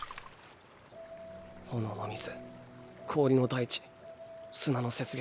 炎の水氷の大地砂の雪原。